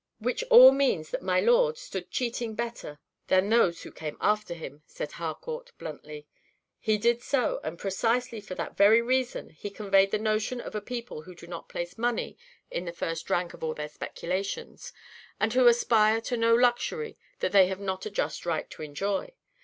"Which all means that 'my lord' stood cheating better than those who came after him," said Harcourt, bluntly. "He did so; and precisely for that very reason he conveyed the notion of a people who do not place money in the first rank of all their speculations, and who aspire to no luxury that they have not a just right to enjoy.